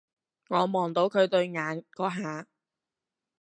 我望到佢對眼嗰下